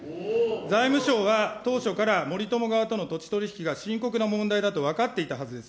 財務省は当初から森友側との土地取り引きが深刻な問題だと分かっていたはずです。